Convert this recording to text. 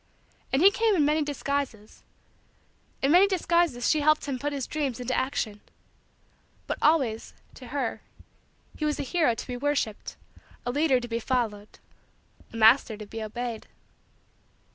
And he came in many disguises. In many disguises she helped him put his dreams into action. But always, to her, he was a hero to be worshiped, a leader to be followed, a master to be obeyed.